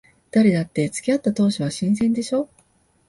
誰だって付き合った当初は新鮮でしょ。